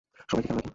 সবাই কি কানা নাকি।